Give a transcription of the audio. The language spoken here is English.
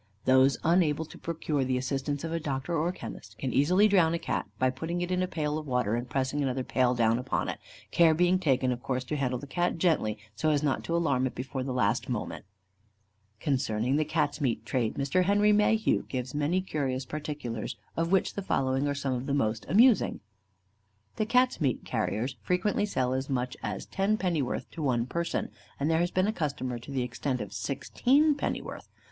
Those unable to procure the assistance of a doctor or chemist, can easily drown a Cat by putting it into a pail of water, and pressing another pail down upon it, care being taken of course to handle the Cat gently, so as not to alarm it before the last moment. Concerning the Cats' meat trade, Mr. Henry Mayhew gives many curious particulars, of which the following are some of the most amusing: "The Cats' meat carriers frequently sell as much as ten pennyworth to one person, and there has been a customer to the extent of sixteen pennyworth.